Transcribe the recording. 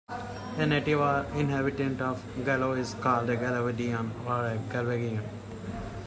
A native or inhabitant of Galloway is called a Gallovidian or a Galwegian.